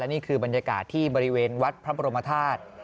นี่คือบรรยากาศที่บริเวณวัดพระบรมธาตุ